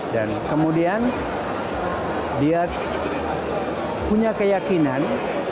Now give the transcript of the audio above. dan kemudian dia punya keyakinan